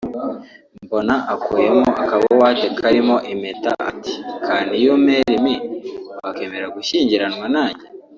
Mbona akuyemo akabuwate karimo impeta ati ‘Can you marry me [Wakemera gushyingiranwa nanjye]